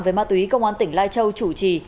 về ma túy công an tỉnh lai châu chủ trì